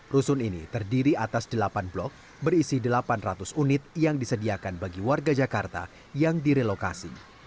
rusun ini terdiri atas delapan blok berisi delapan ratus unit yang disediakan bagi warga jakarta yang direlokasi